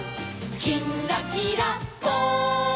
「きんらきらぽん」